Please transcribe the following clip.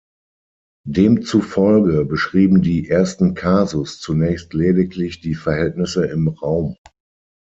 Demzufolge beschrieben die ersten Kasus zunächst lediglich die Verhältnisse im Raum.